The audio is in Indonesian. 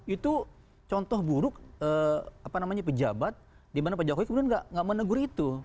itu contoh buruk pejabat di mana pak jokowi kemudian tidak menegur itu